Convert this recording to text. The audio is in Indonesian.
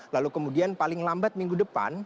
lalu kemudian paling lambat minggu depan